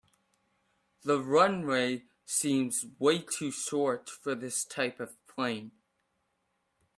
The runway seems way to short for this type of plane.